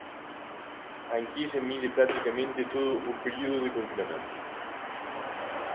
A enquisa mide practicamente todo o período de confinamento.